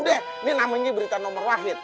deh ini namanya berita nomor wahid